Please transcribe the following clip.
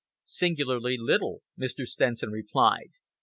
"Singularly little," Mr. Stenson replied.